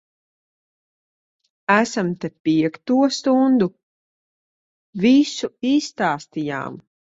Esam te piekto stundu. Visu izstāstījām.